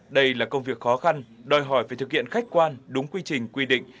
đây là công việc khó khăn đòi hỏi phải thực hiện khách quan đúng quy trình quy định